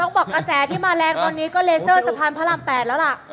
บอกกระแสที่มาแรงตอนนี้ก็เลเซอร์สะพานพระราม๘แล้วล่ะ